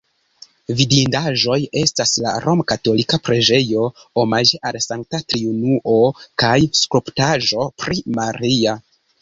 Vidindaĵoj estas la romkatolika preĝejo omaĝe al Sankta Triunuo kaj skulptaĵo pri Maria.